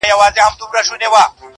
امن ښه دی پاچا هلته به خوند وکړي,